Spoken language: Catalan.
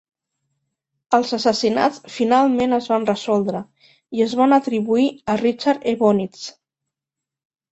Els assassinats finalment es van resoldre i es van atribuir a Richard Evonitz.